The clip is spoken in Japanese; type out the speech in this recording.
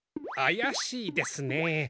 あやしいですねえ